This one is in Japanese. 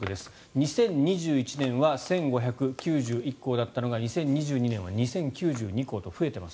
２０２１年は１５９１校だったのが２０２２年は２０９２校に増えています。